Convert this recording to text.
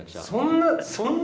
そんな。